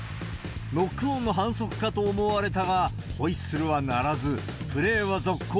ノックオンの反則かと思われたが、ホイッスルは鳴らず、プレーは続行。